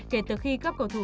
kể từ khi các cầu thủ